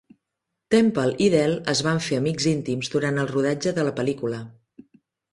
Temple i Dell es van fer amics íntims durant el rodatge de la pel·lícula.